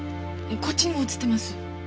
こっちにも写ってます。